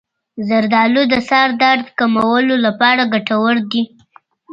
زردآلو د سر درد کمولو لپاره ګټور دي.